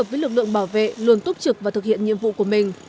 với lực lượng bảo vệ luôn túc trực và thực hiện nhiệm vụ của mình